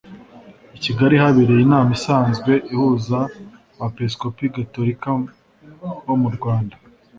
i kigali habereye inama isanzwe ihuza abepiskopi gatolikabo mu rwanda